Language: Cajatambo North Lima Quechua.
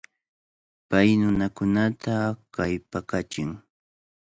Pay nunakunata kallpakachin.